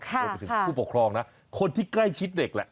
คุณผู้ปกครองนะคนที่ใกล้ชิดเด็กแหละ